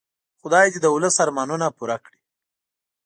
خدای دې د ولس ارمانونه پوره کړي.